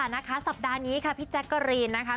นะคะสัปดาห์นี้ค่ะพี่แจ๊กกะรีนนะคะ